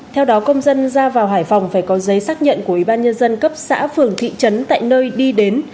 theo đó công dân ra vào hải phòng phải có giấy xác nhận của ubnd cấp xã phường thị trấn tại nơi đi đến